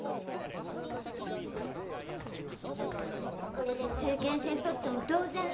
これで中堅戦取ったも同然ね。